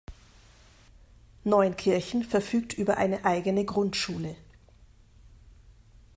Neunkirchen verfügt über eine eigene Grundschule.